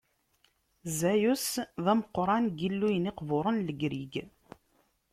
Ziyus d ameqqran n yilluyen iqburen n Legrig.